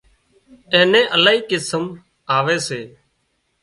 اين نين الاهي قسم آوي سي